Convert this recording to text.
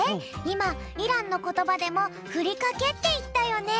いまイランのことばでも「ふりかけ」っていったよね？